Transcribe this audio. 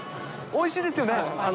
おいしいですよね。